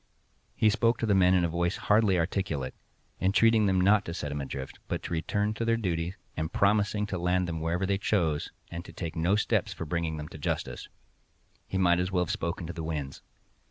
He spoke to the men in a voice hardly articulate, entreated them not to set him adrift, but to return to their duty, and promising to land them wherever they chose, and to take no steps for bringing them to justice. He might as well have spoken to the winds.